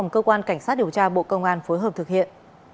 cơ quan cảnh sát điều tra bộ công an phối hợp thực hiện